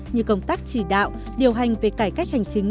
như công tác chỉ đạo điều hành về cải cách hành chính